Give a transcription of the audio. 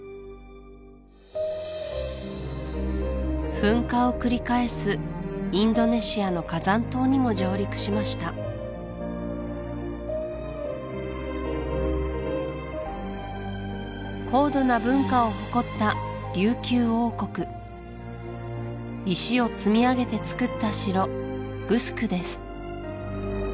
噴火を繰り返すインドネシアの火山島にも上陸しました高度な文化を誇った琉球王国石を積み上げて造った城グスクです